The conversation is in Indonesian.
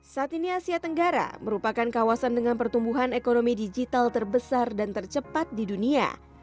saat ini asia tenggara merupakan kawasan dengan pertumbuhan ekonomi digital terbesar dan tercepat di dunia